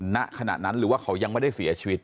ณขณะนั้นหรือว่าเขายังไม่ได้เสียชีวิต